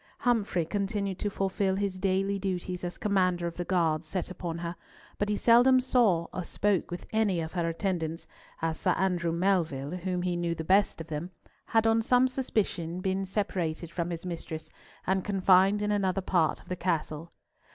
Humfrey continued to fulfil his daily duties as commander of the guards set upon her, but he seldom saw or spoke with any of her attendants, as Sir Andrew Melville, whom he knew the best of them, had on some suspicion been separated from his mistress and confined in another part of the Castle.